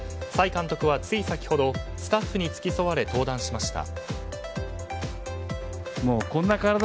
崔監督はつい先ほどスタッフに付き添われ登壇しました。